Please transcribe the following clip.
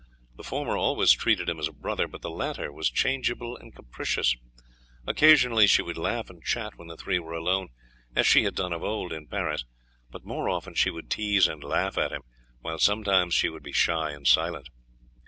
The former always treated him as a brother, but the latter was changeable and capricious. Occasionally she would laugh and chat when the three were alone, as she had done of old in Paris, but more often she would tease and laugh at him, while sometimes she would be shy and silent.